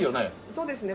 そうですね。